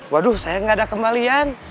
waduh saya nggak ada kembalian